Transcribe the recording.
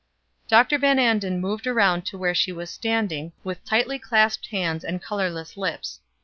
Dr. Van Anden moved around to where she was standing, with tightly clasped hands and colorless lips.